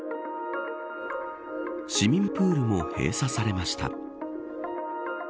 市民プールも閉鎖されました。